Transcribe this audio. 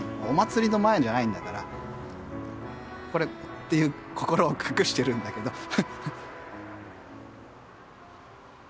お祭りの前じゃないんだから。という心を隠しているんだけど。